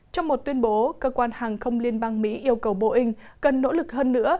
trong một tuyên bố cơ quan hàng không liên bang mỹ yêu cầu boeing cần nỗ lực hơn nữa